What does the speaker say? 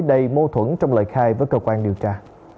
đầy mâu thuẫn trong lời khai với cơ quan điều tra